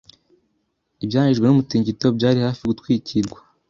Ibyangijwe n’umutingito byari hafi gutwikirwa